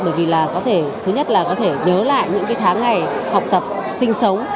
bởi vì là thứ nhất là có thể nhớ lại những tháng ngày học tập sinh sống